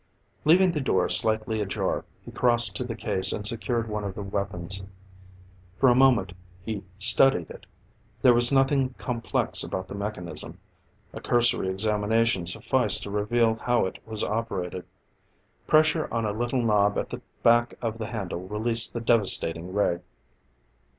Leaving the door slightly ajar, he crossed to the case and secured one of the weapons. For a moment he studied it. There was nothing complex about the mechanism; a cursory examination sufficed to reveal how it was operated. Pressure on a little knob at the back of the handle released the devastating ray.